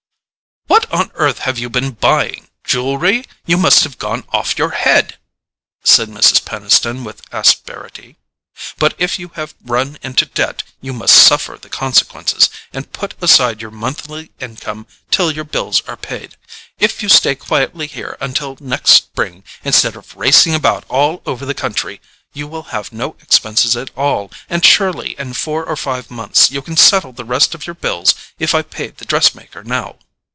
"What on earth have you been buying? Jewelry? You must have gone off your head," said Mrs. Peniston with asperity. "But if you have run into debt, you must suffer the consequences, and put aside your monthly income till your bills are paid. If you stay quietly here until next spring, instead of racing about all over the country, you will have no expenses at all, and surely in four or five months you can settle the rest of your bills if I pay the dress maker now."